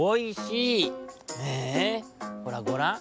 へえほらごらん。